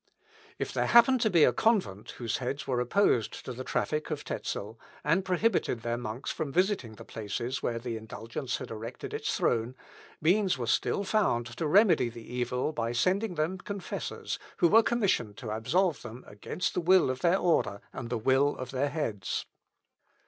9. If there happened to be a convent whose heads were opposed to the traffic of Tezel, and prohibited their monks from visiting the places where the indulgence had erected its throne, means were still found to remedy the evil by sending them confessors, who were commissioned to absolve them against the will of their order and the will of their heads.